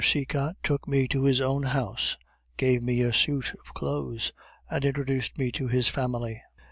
Cecott took me to his own house, gave me a suit of clothes, and introduced me to his family.